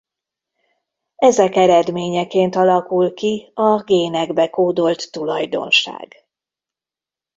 Ezek eredményeként alakul ki a génekbe kódolt tulajdonság.